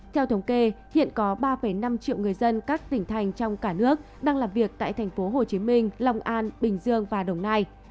theo thống kê hiện có ba năm triệu người dân các tỉnh thành trong cả nước đang làm việc tại tp hcm long an bình dương và đồng nai